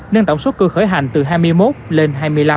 nâng tổng số cư khởi hành từ hai mươi một lên hai mươi năm